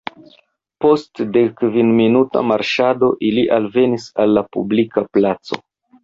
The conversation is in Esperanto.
Post dekkvinminuta marŝado ili alvenis al la publika placo.